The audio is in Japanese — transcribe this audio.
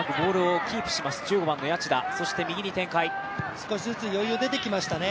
少しずつ余裕が出てきましたね。